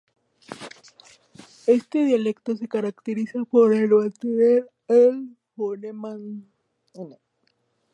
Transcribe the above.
Este dialecto se caracteriza por el mantener el fonema ɲ.